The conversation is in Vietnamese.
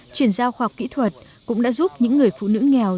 chuyển giao khoa học kỹ thuật cũng đã giúp những người phụ nữ nghèo